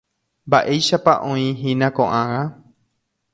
Mba'éichapa oĩhína ko'ág̃a.